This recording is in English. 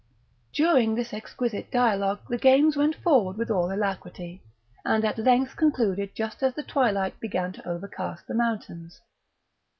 During this exquisite dialogue the games went forward with all alacrity, and at length concluded just as the twilight began to overcast the mountains.